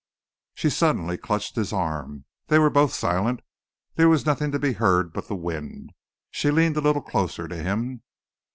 She suddenly clutched his arm. They were both silent. There was nothing to be heard but the wind. She leaned a little closer to him.